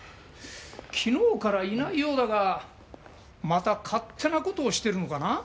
昨日からいないようだがまた勝手な事をしてるのかな？